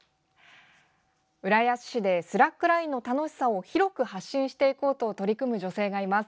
浦安市でスラックラインの楽しさを広く発信していこうと取り組む女性がいます。